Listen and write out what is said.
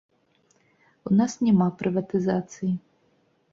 У нас няма прыватызацыі.